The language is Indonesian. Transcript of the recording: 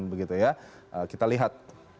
begitu ya kita lihat